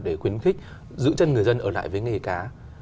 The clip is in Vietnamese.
để khuyến khích giữ chân người dân ở lại với nghề cá